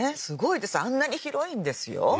すごいですあんなに広いんですよ